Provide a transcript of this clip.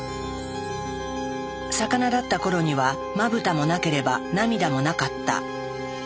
魚だった頃にはまぶたもなければ涙もなかった。